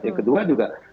yang kedua juga